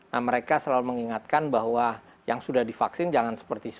nah mereka selalu mengingatkan bahwa yang sudah divaksin jangan seperti itu